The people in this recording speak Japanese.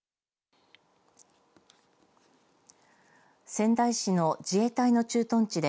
仙台市の自衛隊の駐屯地で